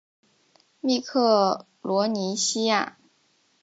密克罗尼西亚。